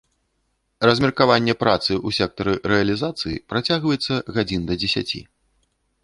Размеркаванне працы ў сектары рэалізацыі працягваецца гадзін да дзесяці.